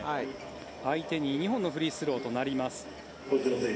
相手に２本のフリースローとなります。